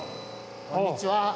こんにちは。